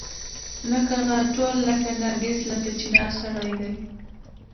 لکه غاټول لکه نرګس لکه چنارسړی دی